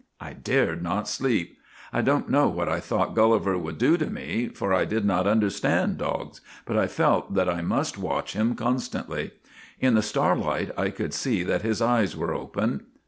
I dared not sleep. I don't know what I thought Gulliver would do to me, for I did not understand dogs, but I felt that I must watch him constantly. In the starlight I could see that his eyes were open.